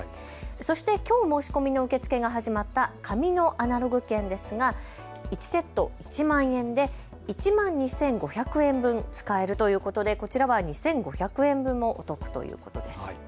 そしてきょう申し込みの受け付けが始まった紙のアナログ券ですが１セット１万円で１万２５００円分使えるということでこちらは２５００円分もお得ということです。